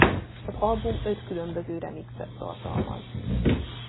Az album öt különböző remixet tartalmaz.